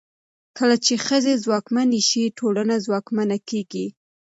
کله چې ښځې ځواکمنې شي، ټولنه ځواکمنه کېږي.